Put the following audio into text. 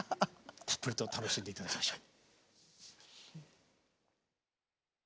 たっぷりと楽しんで頂きましょう。